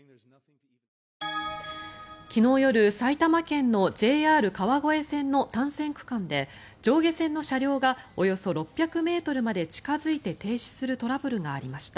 昨日夜、埼玉県のＪＲ川越線の単線区間で上下線の車両がおよそ６００ｍまで近付いて停止するトラブルがありました。